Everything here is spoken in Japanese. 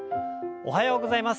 おはようございます。